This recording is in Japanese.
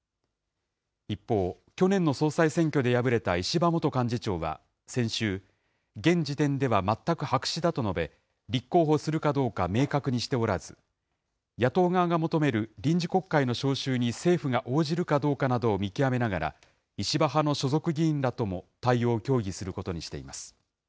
一方、去年の総裁選挙で敗れた石破元幹事長は先週、現時点では全く白紙だと述べ、立候補するかどうか明確にしておらず、野党側が求める臨時国会の召集に政府が応じるかどうかなどを見極めながら、石破派の所属議員らとも対応を協議することにしています。